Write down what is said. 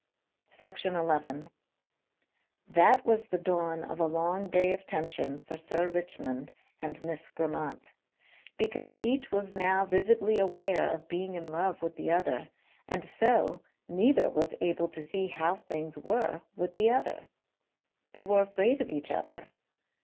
Section 11 That was the dawn of a long day of tension for Sir Richmond and Miss Grammont. Because each was now vividly aware of being in love with the other and so neither was able to see how things were with the other. They were afraid of each other.